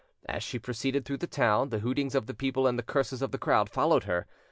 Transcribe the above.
As she proceeded through the town, the hootings of the people and the curses of the crowd followed her.